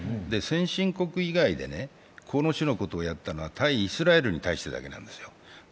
先進国以外で、この種のことをやったのは対イスラエルに対してだけなんですよ。